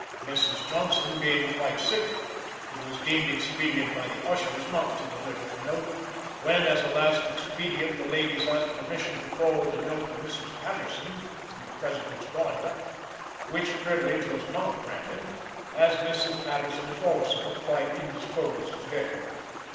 Mrs. Johnson being quite sick, it was deemed expedient by the ushers not to deliver the note, when, as a last expedient, the ladies asked permission to forward a note to Mrs. Patterson, the President's daughter, which privilege was not granted, as Mrs. Patterson is also quite indisposed to day.